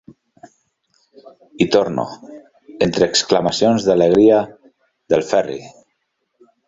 Hi torno, entre exclamacions d'alegria del Ferri.